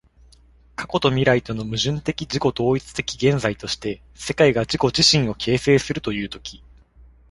過去と未来との矛盾的自己同一的現在として、世界が自己自身を形成するという時